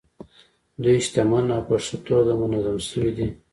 دوی شتمن او په ښه توګه منظم شوي دي.